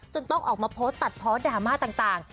จนต้องออกมาโพสต์ตัดพอดามาต่าง